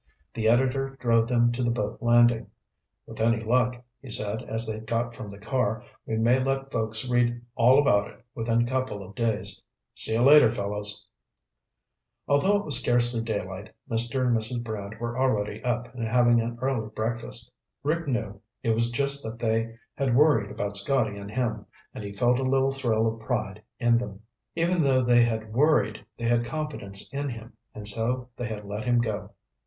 The editor drove them to the boat landing. "With any luck," he said as they got from the car, "we may let folks read all about it within a couple of days. See you later, fellows." Although it was scarcely daylight, Mr. and Mrs. Brant were already up and having an early breakfast. Rick knew it was just that they had worried about Scotty and him, and he felt a little thrill of pride in them. Even though they had worried, they had confidence in him and so they had let him go.